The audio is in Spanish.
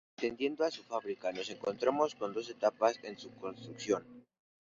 Atendiendo a su fábrica, nos encontramos con dos etapas en su construcción.